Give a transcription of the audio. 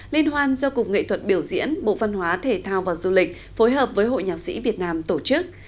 liên hoan do cục nghệ thuật biểu diễn bộ văn hóa thể thao và du lịch phối hợp với hội nhạc sĩ việt nam tổ chức